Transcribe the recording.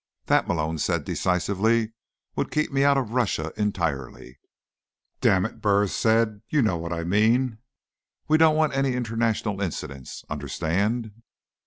"That," Malone said decisively, "would keep me out of Russia entirely." "Damn it," Burris said, "you know what I mean. We don't want any international incidents, understand?"